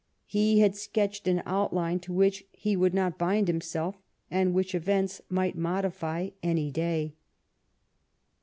He had sketched an outline to which he would not bind him self, and which events might modify any day.